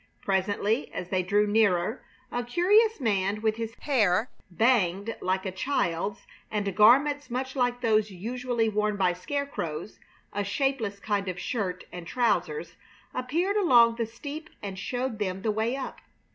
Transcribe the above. Presently, as they drew nearer, a curious man with his hair "banged" like a child's, and garments much like those usually worn by scarecrows a shapeless kind of shirt and trousers appeared along the steep and showed them the way up.